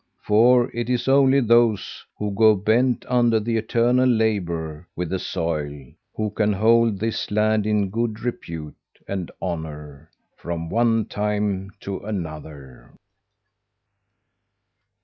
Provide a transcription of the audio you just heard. For it is only those who go bent under the eternal labour with the soil, who can hold this land in good repute and honour from one time to another.'"